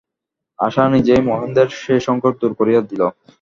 আশা নিজেই মহেন্দ্রের সে সংকট দূর করিয়া দিল।